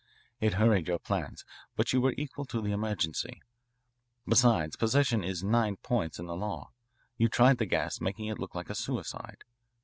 It hurried your plans, but you were equal to the emergency. Besides, possession is nine points in the law. You tried the gas, making it look like a suicide.